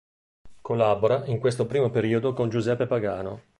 Collabora in questo primo periodo con Giuseppe Pagano.